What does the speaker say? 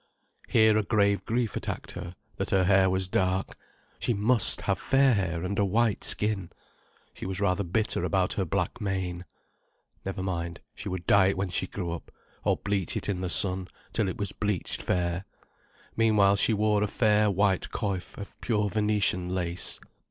Here a grave grief attacked her: that her hair was dark. She must have fair hair and a white skin. She was rather bitter about her black mane. Never mind, she would dye it when she grew up, or bleach it in the sun, till it was bleached fair. Meanwhile she wore a fair white coif of pure Venetian lace.